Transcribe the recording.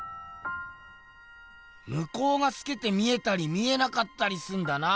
むこうがすけて見えたり見えなかったりすんだな。